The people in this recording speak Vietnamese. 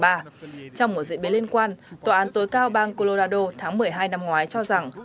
trong một diễn biến liên quan tòa án tối cao bang colorado tháng một mươi hai năm ngoái cho rằng